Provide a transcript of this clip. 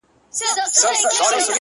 ځكه چي دا خو د تقدير فيصله _